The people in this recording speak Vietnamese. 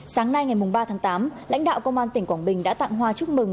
sáng nay ngày ba tháng tám lãnh đạo công an tỉnh quảng bình đã tặng hoa chúc mừng